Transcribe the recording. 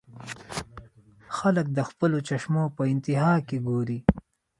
خلک د خپلو چشمو پۀ انتها کښې ګوري -